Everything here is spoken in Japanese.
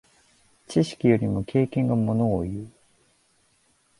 知識よりも経験がものをいう。